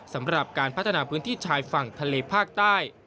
สำหรับการพัฒนาพื้นที่ชายฝั่งทะเลภาคใต้